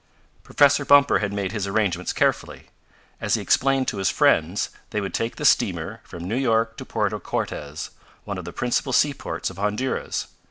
Professor Bumper had made his arrangements carefully. As he explained to his friends, they would take the steamer from New York to Puerto Cortes, one of the principal seaports of Honduras.